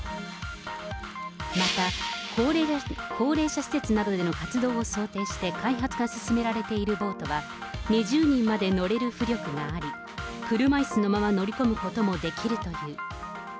また、高齢者施設などでの活動を想定して開発が進められているボートは、２０人まで乗れる浮力があり、車いすのまま乗り込むこともできるという。